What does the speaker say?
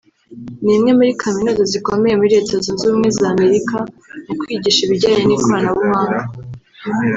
ni imwe muri Kaminuza zikomeye muri Leta Zunze z’Amerika mu kwigisha ibijyanye n’ikoranabuhanga